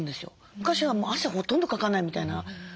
昔は汗ほとんどかかないみたいなタイプが。